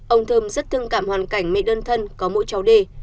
ông thơm rất thương cảm hoàn cảnh mẹ đơn thân có mỗi cháu đề